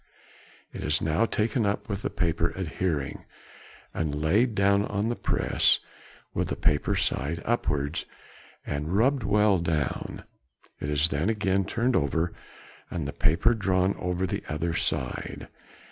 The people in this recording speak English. It is now taken up with the paper adhering, and laid down on the press with the paper side upwards, and rubbed well down; it is then again turned over and the paper drawn over the other side.